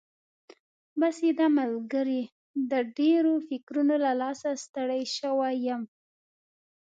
بس یې ده ملګري، د ډېرو فکرونو له لاسه ستړی شوی یم.